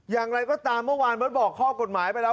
อย่างไรก็ตามเมื่อวานเบิร์ตบอกข้อกฎหมายไปแล้ว